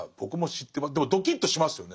でもドキッとしますよね。